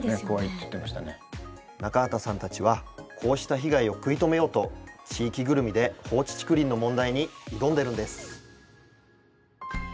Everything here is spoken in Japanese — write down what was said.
中畑さんたちはこうした被害を食い止めようと地域ぐるみで放置竹林の問題に挑んでいるんです。